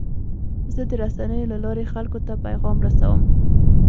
زه د رسنیو له لارې خلکو ته پیغام رسوم.